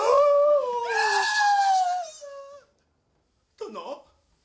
殿？